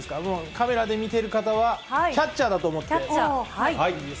カメラで見てる方は、キャッチャーだと思って。